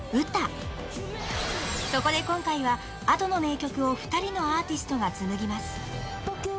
［そこで今回はＡｄｏの名曲を２人のアーティストが紡ぎます］